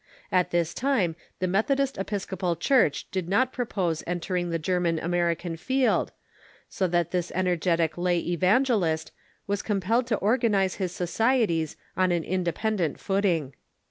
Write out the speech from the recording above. At this time the Methodist Episcopal Church did not propose en tering the German American field, so that this energetic lay evangelist was compelled to organize his societies on an inde pendent footing.